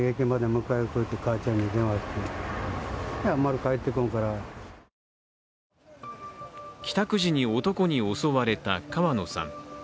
帰宅時に男に襲われた川野さん。